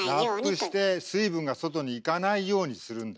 ラップして水分が外に行かないようにするんだ。